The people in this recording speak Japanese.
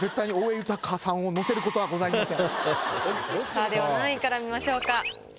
さあでは何位から見ましょうか？